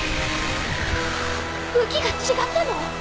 武器が違ったの！？